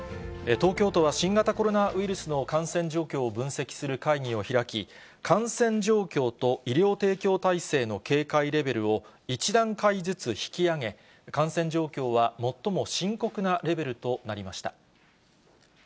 東京都は新型コロナウイルスの感染状況を分析する会議を開き、感染状況と医療提供体制の警戒レベルを１段階ずつ引き上げ、感染状況は最も深刻なレベルとなりました。